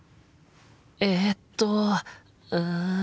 えっとうん。